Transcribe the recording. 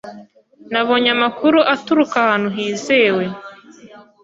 Nabonye amakuru aturuka ahantu hizewe.